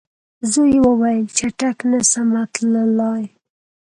زوی یې وویل چټک نه سمه تللای